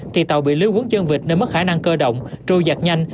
khi tàu bị lưu quấn chân vịt nên mất khả năng cơ động trôi giặt nhanh